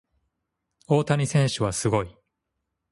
大谷選手はすごい。